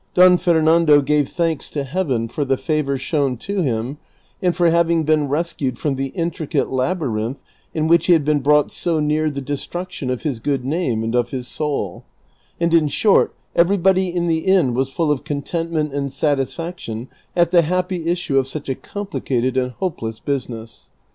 Don Fernando gave thanks to Heaven for the favor shown to him and for having been rescued from the intri cate labyrinth in which he had been brought so near the destruction of his good name and of his soul ; and in short everybody in the inn was full of contentment and satisfaction at the happy issue of such a complicated and hopeless business.